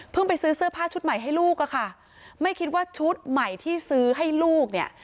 ไปซื้อเสื้อผ้าชุดใหม่ให้ลูกอะค่ะไม่คิดว่าชุดใหม่ที่ซื้อให้ลูกเนี่ย